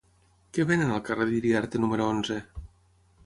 Què venen al carrer d'Iriarte número onze?